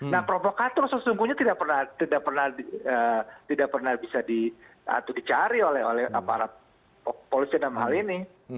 nah provokator sesungguhnya tidak pernah bisa dicari oleh aparat polisi dalam hal ini